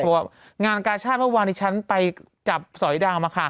เพราะว่างานการ์ชาติเมื่อวานที่ฉันไปจับสอยดางเอามาค่ะ